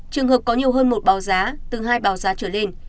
trường hợp có nhiều hơn một báo giá từ hai báo giá trở lên